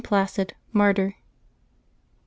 PLACID, Martyr. @T.